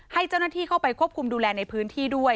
ให้เจ้าหน้าที่เข้าไปควบคุมดูแลในพื้นที่ด้วย